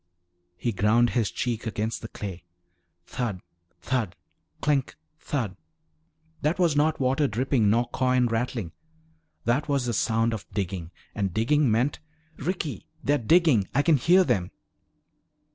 He ground his cheek against the clay. Thud, thud, clink, thud. That was not water dripping nor coin rattling. That was the sound of digging. And digging meant "Ricky! They're digging! I can hear them!"